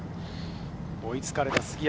追いつかれた杉山。